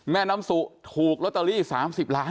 แม่น้ำสุถูกลอตเตอรี่๓๐ล้าน